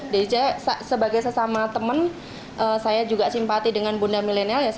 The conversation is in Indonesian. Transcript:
jadi saya sebagai sesama temen saya juga simpati dengan bunda milenial